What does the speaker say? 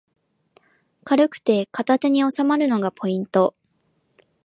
軽くて片手におさまるのがポイント